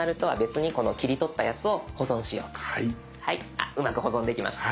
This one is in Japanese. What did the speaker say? あっうまく保存できました。